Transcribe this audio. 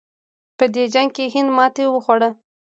په دې جنګ کې هند ماتې وخوړه.